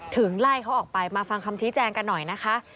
ไล่เขาออกไปมาฟังคำชี้แจงกันหน่อยนะคะ